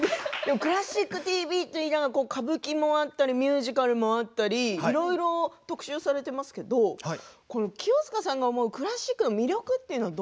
「クラシックＴＶ」と言いながら歌舞伎もあったりミュージカルもあったりいろいろ特集されていますけれども清塚さんが思うクラシックの魅力